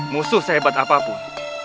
musuh sehebat apapun